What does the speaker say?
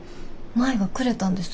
舞がくれたんです。